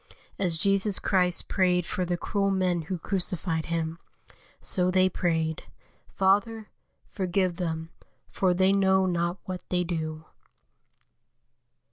As Jesus Christ prayed for the cruel men who crucified Him, so they prayed: "Father, forgive them, for they know not what they do."